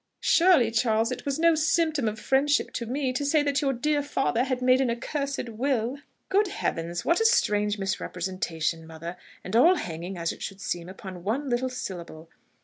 "Surely, Charles, it was no symptom of friendship to me, to say that your dear father had made an accursed will!" "Good heavens!... what a strange misrepresentation, mother!... and all hanging, as it should seem, upon one little syllable!...